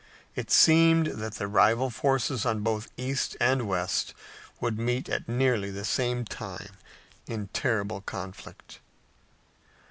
It seemed that the rival forces in both east and west would meet at nearly the same time in terrible conflict.